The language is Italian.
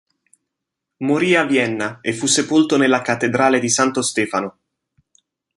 Morì a Vienna e fu sepolto nella cattedrale di Santo Stefano.